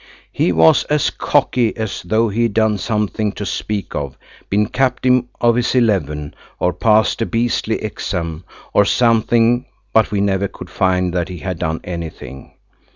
He was as cocky as though he'd done something to speak of–been captain of his eleven, or passed a beastly exam., or something–but we never could find that he had done anything.